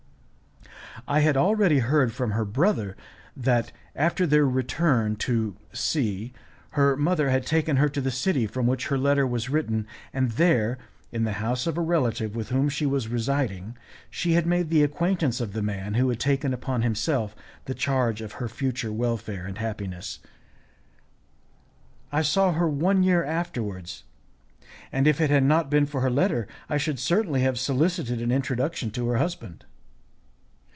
I had already heard from her brother that, after their return to C , her mother had taken her to the city from which her letter was written, and there, in the house of a relative with whom she was residing, she had made the acquaintance of the man who had taken upon himself the charge of her future welfare and happiness. I saw her one year afterwards, and if it had not been for her letter, I should certainly have solicited an introduction to her husband.